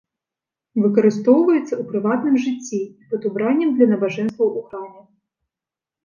Выкарыстоўваецца ў прыватным жыцці і пад убраннем для набажэнстваў у храме.